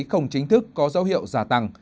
không chính thức có dấu hiệu giả tăng